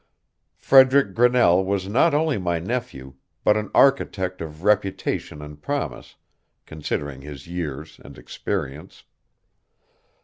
Frederick Grinnell was not only my nephew, but an architect of reputation and promise, considering his years and experience.